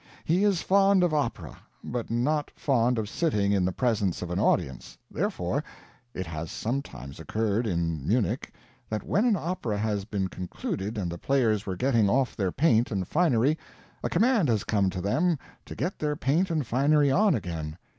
He is fond of opera, but not fond of sitting in the presence of an audience; therefore, it has sometimes occurred, in Munich, that when an opera has been concluded and the players were getting off their paint and finery, a command has come to them to get their paint and finery on again.